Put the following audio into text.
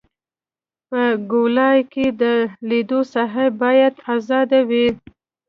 په ګولایي کې د لید ساحه باید ازاده وي